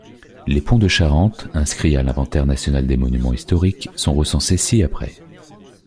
Les ponts de Charente inscrits à l’inventaire national des monuments historiques sont recensés ci-après.